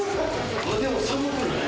でも寒くない。